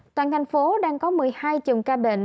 toàn thành phố đang có một mươi hai chùm ca bệnh